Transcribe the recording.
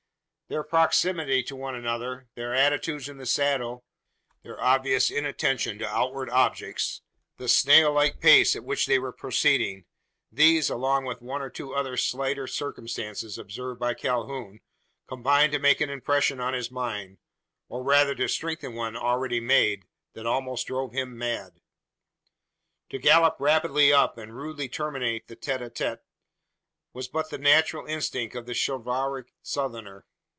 Their proximity to one another their attitudes in the saddle their obvious inattention to outward objects the snail like pace at which they were proceeding these, along with one or two other slighter circumstances observed by Calhoun, combined to make an impression on his mind or rather to strengthen one already made that almost drove him mad. To gallop rapidly up, and rudely terminate the tete a tete, was but the natural instinct of the chivalric Southerner.